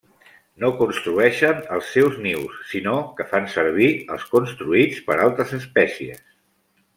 No construeixen els seus nius, sinó que fan servir els construïts per altres espècies.